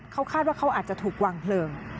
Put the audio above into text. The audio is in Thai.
เขาคาดว่าเขาอาจจะถูกวางเพลิง